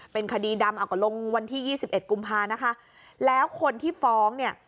เป็นคดีดำเอาก็ลงวันที่ยี่สิบเอ็ดกุมภานะคะแล้วคนที่ฟ้องเนี่ย